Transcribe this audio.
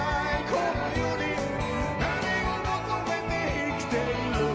「この世に何を求めて生きている？」